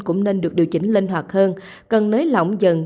cũng nên được điều chỉnh linh hoạt hơn cần nới lỏng dần